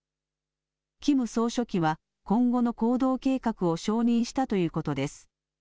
キム総書記は今後の行動計画を承認したということです。